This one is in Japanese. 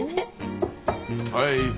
はい。